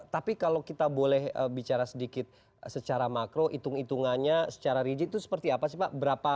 tapi kalau kita boleh bicara sedikit secara makro hitung hitungannya secara rigid itu seperti apa sih pak